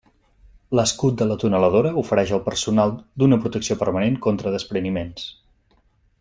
L'escut de la tuneladora ofereix al personal d'una protecció permanent contra despreniments.